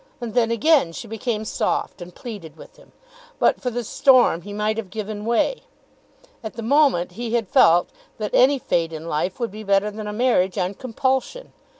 And then again she became soft, and pleaded with him. But for the storm he might have given way. At that moment he had felt that any fate in life would be better than a marriage on compulsion.